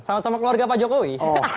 sama sama keluarga pak jokowi